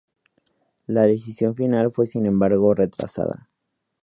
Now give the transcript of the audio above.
La decisión final fue sin embargo retrasada.